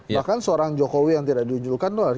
bahkan seorang jokowi yang tidak diujulkan